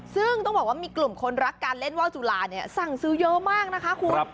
ซึ่งต้องบอกว่ามีกลุ่มคนรักการเล่นว่าวจุลาเนี่ยสั่งซื้อเยอะมากนะคะคุณ